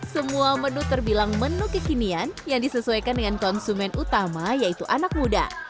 semua menu terbilang menu kekinian yang disesuaikan dengan konsumen utama yaitu anak muda